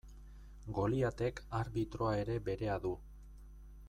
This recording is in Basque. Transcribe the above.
Goliatek arbitroa ere berea du.